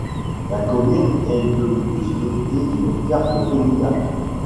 La commune est de plus dotée d'une carte communale.